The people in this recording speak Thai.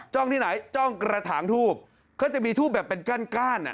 จ้องที่ไหนจ้องกระถางทูบก็จะมีทูบแบบเป็นกั้นก้าน